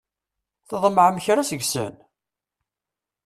Tḍemɛem kra seg-sen?